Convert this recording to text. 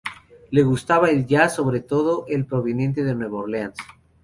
Le gustaba el jazz, sobre todo el proveniente de Nueva Orleans.